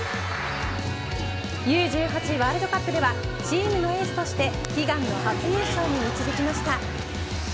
Ｕ−１８ワールドカップではチームのエースとして悲願の初優勝に導きました。